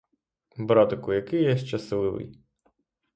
Братику, який я щасливий!